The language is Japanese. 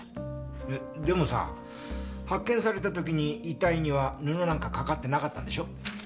でもさ発見された時に遺体には布なんか掛かってなかったんでしょ？